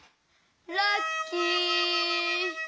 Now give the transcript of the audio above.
ラッキー！